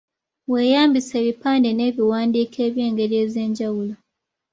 Weeyambise ebipande n’ebiwandiiko eby’engeri ez’enjawulo.